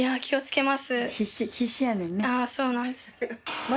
あぁそうなんです。